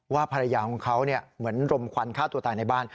ภรรยาของเขาเหมือนรมควันฆ่าตัวตายในบ้าน